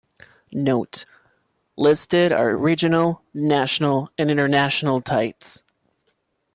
Note: Listed are Regional, National and International tites.